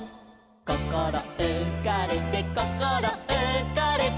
「こころうかれてこころうかれて」